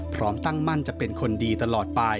พร้อมตั้งมั่นจะเป็นคนดีตลอดไป